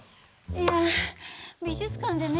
いや美術館でね